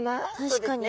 確かに。